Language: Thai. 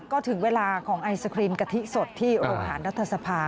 ก็ถึงเวลาของไอศครีมกะทิสดที่โรงหารรัฐสภา